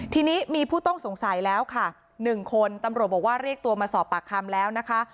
ทีนี้มีผู้ต้องสงสัยแล้วค่ะ๑คนตำรวจบอกว่าเรียกตัวมาสอบปากคำแล้วนะคะ